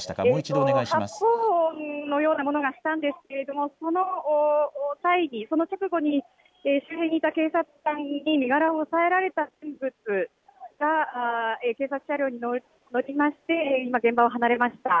発砲音のようなものがしたんですが、その直後に周辺にいた警察官に身柄を押さえられた人物が警察車両に乗りまして今、現場を離れました。